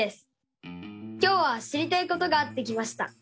今日は知りたいことがあって来ました。